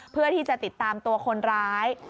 เพื่อที่จะติดตามตัวคนร้าย